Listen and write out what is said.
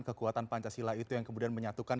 kekuatan pancasila itu yang kemudian menyatukan